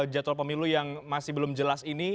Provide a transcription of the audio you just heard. jadwal pemilu yang masih belum jelas ini